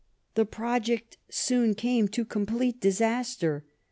The project soon came to complete disaster.